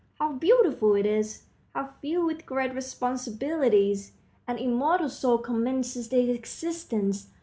How beautiful it is! How filled with great responsibilities! An immortal soul commences its existence.